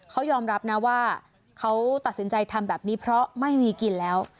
เขายอมรับนะว่าเขาตัดสินใจทำแบบนี้เพราะไม่มีกินแล้ว